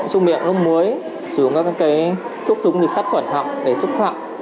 dùng miệng lúc mũi dùng các cái thuốc dùng nhịp sắt quẩn học để xúc phạm